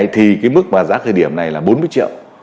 thì cái mức giá khởi điểm này là bốn mươi triệu